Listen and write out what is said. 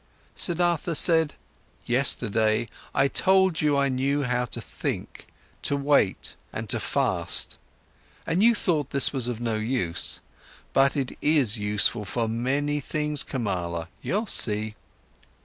Siddhartha said: "Yesterday, I told you I knew how to think, to wait, and to fast, but you thought this was of no use. But it is useful for many things, Kamala, you'll see.